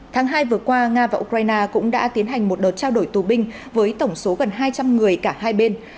tháng hai vừa qua nga và ukraine cũng đã tiến hành một đợt trao đổi tù binh với tổng số gần hai trăm linh người cả hai bên